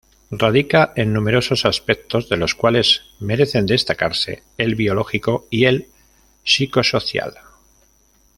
Radica en numerosos aspectos, de los cuales merecen destacarse el biológico y el psicosocial.